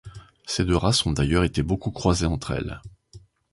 Ces deux races ont d'ailleurs été beaucoup croisées entre elles.